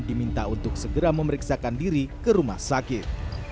diminta untuk segera memeriksakan diri ke rumah sakit